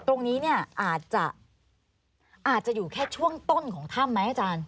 ตรงนี้เนี่ยอาจจะอาจจะอยู่แค่ช่วงต้นของถ้ำไหมอาจารย์